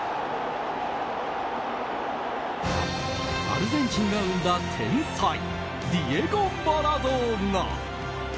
アルゼンチンが生んだ天才ディエゴ・マラドーナ。